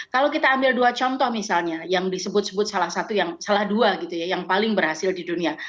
kalau kita ambil dua contoh misalnya yang disebut sebut salah satu yang salah dua gitu ya yang paling berhasil di dunia